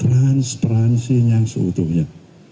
transparansi yang seutuhnya